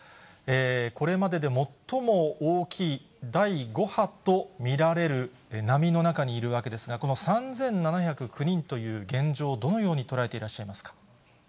これまでで最も大きい第５波と見られる波の中にいるわけですが、この３７０９人という現状、どのように捉えていらっしゃいますか。